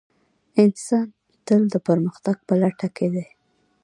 انسان تل د پرمختګ په لټه کې دی.